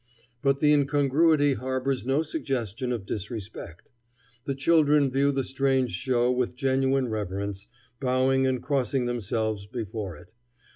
But the incongruity harbors no suggestion of disrespect. The children view the strange show with genuine reverence, bowing and crossing themselves before it.